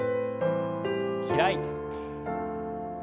開いて。